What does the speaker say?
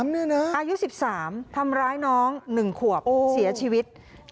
๑๓เนี่ยนะอายุ๑๓ทำร้ายน้อง๑ขวบเสียชีวิต